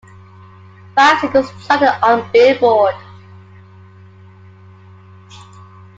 Five singles charted on Billboard.